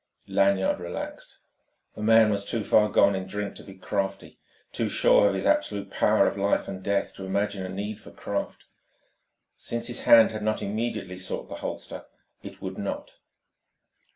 Lanyard relaxed. The man was too far gone in drink to be crafty, too sure of his absolute power of life and death to imagine a need for craft. Since his hand had not immediately sought the holster, it would not.